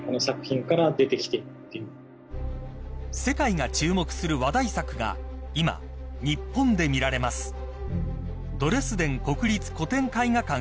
［世界が注目する話題作が今日本で見られます］